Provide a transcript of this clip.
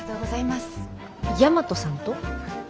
大和さんと？